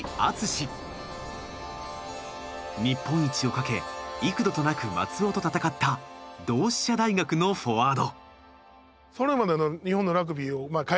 日本一をかけ幾度となく松尾と戦った同志社大学のフォワード。